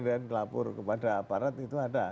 kemudian lapor kepada aparat itu ada